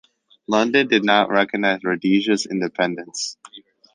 London did not recognize Rhodesia’s independence.